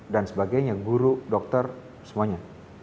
dan sebagainya guru dokter semuanya